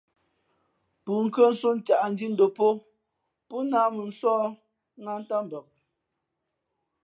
Pʉ̂nkhʉ̄ᾱ nsō ncǎʼ ndhí ndǒm pó náh mᾱ nsóh nát ntám mbak.